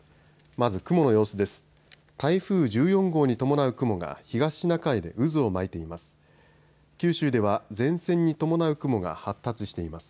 まず雲の様子です。